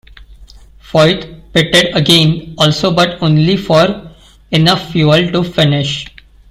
Foyt pitted again also but only for enough fuel to finish.